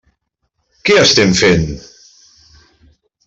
Què estem fent?